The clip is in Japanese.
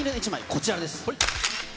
こちらです。